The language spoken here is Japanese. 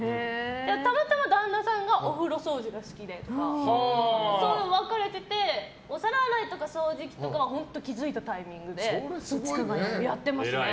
たまたま旦那さんがお風呂掃除が好きでって分かれててお皿洗いとか掃除機とかは本当気づいたタイミングでやってますね。